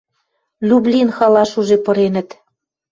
Люблин халаш уже пыренӹт».